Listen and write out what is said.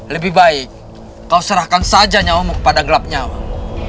lebih baik kau serahkan saja nyawamu kepada gelapnya awang